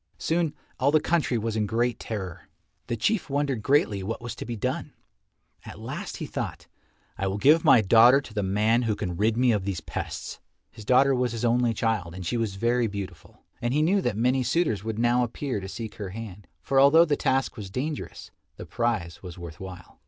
Soon all the country was in great terror. The Chief wondered greatly what was to be done. At last he thought, "I will give my daughter to the man who can rid me of these pests." His daughter was his only child and she was very beautiful, and he knew that many suitors would now appear to seek her hand, for although the task was dangerous, the prize was worth while.